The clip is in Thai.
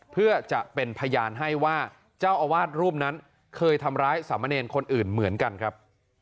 เพื่อจะเป็นพยานให้ว่าเจ้าอาวาสรูปนั้นเคยทำร้ายสามเณรคนอื่นเหมือนกันครับ